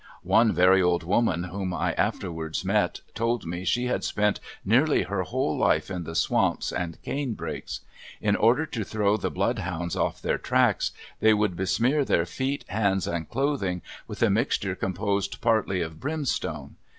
One very old woman, whom I afterwards met, told me she had spent nearly her whole life in the swamps and cane brakes. In order to throw the blood hounds off their tracks they would besmear their feet, hands and clothing with a mixture composed partly of brimstone.